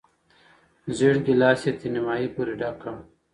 زېړ ګیلاس یې تر نیمايي پورې ډک کړ.